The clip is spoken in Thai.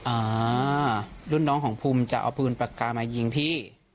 อ่ารุ่นน้องของภูมิจะเอาปืนปากกามายิงพี่